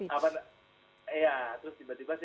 awalnya gabut dulu pasti